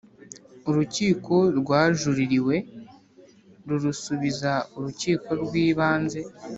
urukiko rwajuririwe rurusubiza urukiko rw ibanze